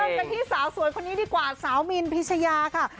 กันที่สาวสวยคนนี้ดีกว่าสาวมินพิชยาค่ะ